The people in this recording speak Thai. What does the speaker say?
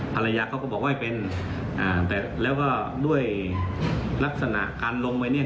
ภรรยาเขาก็บอกว่าเป็นอ่าแต่แล้วก็ด้วยลักษณะการลงไปเนี่ย